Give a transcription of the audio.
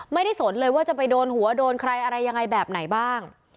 สนเลยว่าจะไปโดนหัวโดนใครอะไรยังไงแบบไหนบ้าง